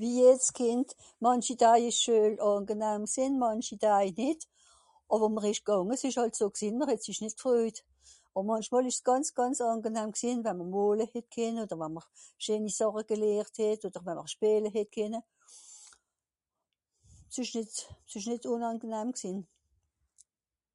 Wie jeds Kìnd. Mànchi Dai ìsch d'Schüel àngenahm gsìnn, mànchi Dai nìt. Àwer mr ìsch gànge, s'ìsch hàlt so gsìnn, mr het sich nìt gfröjt. Ùn mànchmol ìsch's gànz gànz àngenahm gsìnn, we'mr mole het kenne, odder we'mr scheeni Sàche gelehrt het, odder we'mr spìele het kenne. S'ìsch nìt... s'ìsch nìt ùnangenahm gsìnn.